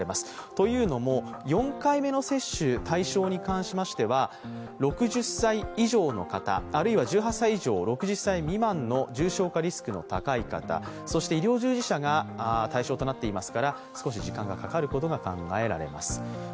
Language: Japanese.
というのも、４回目の接種対象に関しましては６０歳以上の方、あるいは１８歳以上６０歳未満の重症化リスクの高い方、そして医療従事者が対象となっていますから少し時間がかかることが考えられます。